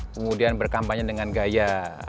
kemudian berkampanye dengan gaya